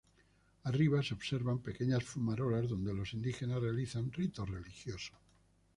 Arriba se observan pequeñas fumarolas donde los indígenas realizan ritos religiosos.